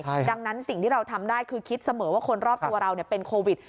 ดังนั้นสิ่งที่เราทำได้คือคิดเสมอว่าคนรอบตัวเราเป็นโควิด